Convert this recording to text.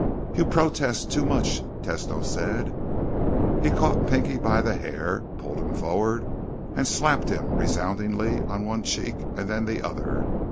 "You protest too much," Tesno said. He caught Pinky by the hair, pulled him forward, and slapped him resoundingly on one cheek and then the other.